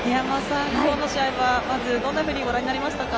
きょうの試合はまずどんなふうにご覧になりましたか？